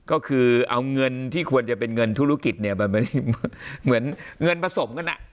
ก็คือเอาเงินที่ควรจะเป็นเงินธุรกิจเนี่ยมันไม่ได้เหมือนเงินผสมกันอ่ะ